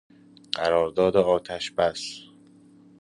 قرارداد آتش بس